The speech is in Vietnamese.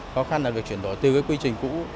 khó khăn là việc chuyển đổi từ cái quy trình cũ